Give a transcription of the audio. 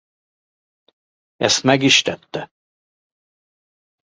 Ezt meg is tette.